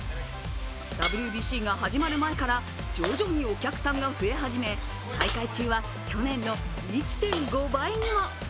ＷＢＣが始まる前から徐々にお客さんが増え始め大会中は去年の１．５倍にも。